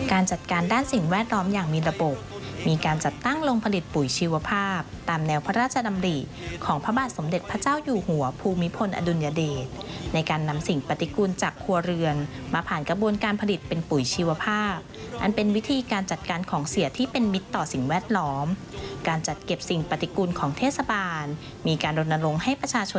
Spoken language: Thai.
จัดการด้านสิ่งแวดล้อมอย่างมีระบบมีการจัดตั้งลงผลิตปุ๋ยชีวภาพตามแนวพระราชดำริของพระบาทสมเด็จพระเจ้าอยู่หัวภูมิพลอดุลยเดชในการนำสิ่งปฏิกูลจากครัวเรือนมาผ่านกระบวนการผลิตเป็นปุ๋ยชีวภาพอันเป็นวิธีการจัดการของเสียที่เป็นมิตรต่อสิ่งแวดล้อมการจัดเก็บสิ่งปฏิกูลของเทศบาลมีการรณรงค์ให้ประชาชน